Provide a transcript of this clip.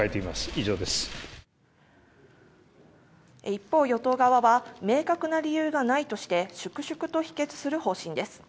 一方、与党側は明確な理由がないとして粛々と否決する方針です。